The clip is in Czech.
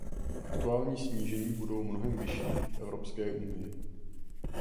Aktuální snížení budou mnohem vyšší v Evropské unii.